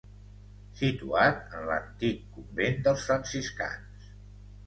Situat en l'antic convent dels franciscans.